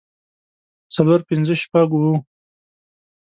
څلور پنځۀ شپږ اووه